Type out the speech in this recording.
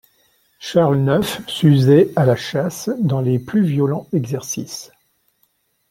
Charles neuf s'usait à la chasse dans les plus violents exercices.